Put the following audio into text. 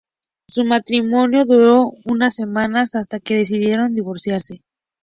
Su matrimonio duró unas semanas hasta que decidieron divorciarse.